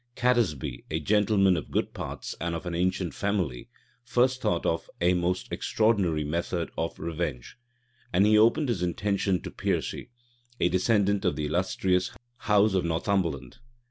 Catesby, a gentleman of good parts and of an ancient family, first thought of a most extraordinary method of revenge; and he opened his intention to Piercy, a descendant of the illustrious house of Northumberland.